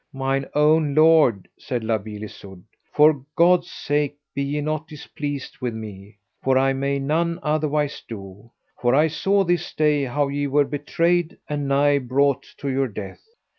Mine own lord, said La Beale Isoud, for God's sake be ye not displeased with me, for I may none otherwise do; for I saw this day how ye were betrayed and nigh brought to your death.